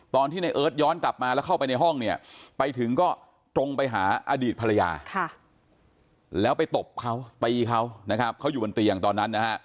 ตอนที่ในเอิร์ทย้อนกลับมาแล้วเข้าไปในห้องเนี่ยไปถึงก็ตรงไปหาอดีตภรรยาแล้วไปตบเขาตีเขานะครับเขาอยู่บนเตียงตอนนั้นนะฮะ